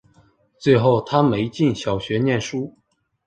最后她没进小学念书